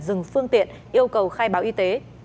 dừng phương tiện yêu cầu khai báo y tế